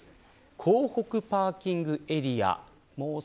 港北パーキングエリア。